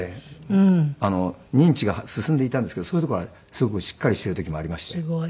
認知が進んでいたんですけどそういうところはすごくしっかりしている時もありまして。